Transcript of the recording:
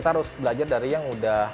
kita harus belajar dari yang sudah bagus